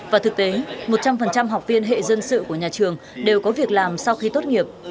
và thực tế một trăm linh học viên hệ dân sự của nhà trường đều có việc làm sau khi tốt nghiệp